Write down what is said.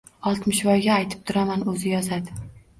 Oltmishvoyga aytib turaman, o‘zi yozadi.